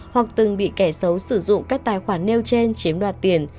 hoặc từng bị kẻ xấu sử dụng các tài khoản nêu trên chiếm đoạt tiền